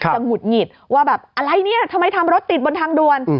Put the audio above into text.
หงุดหงิดว่าแบบอะไรเนี่ยทำไมทำรถติดบนทางด่วน